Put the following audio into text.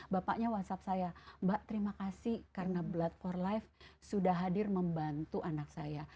bapaknya whatsapp saya mbak terima kasih karena blood for life sudah hadir membantu anak saya